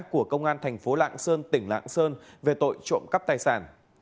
của công an thành phố lạng sơn tỉnh lạng sơn về tội trộm cắp tài sản